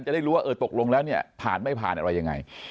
จะได้รู้ว่าเออตกลงแล้วเนี่ยผ่านไม่ผ่านอะไรยังไง